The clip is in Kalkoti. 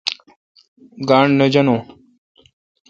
گاݨڈ نہ جانون۔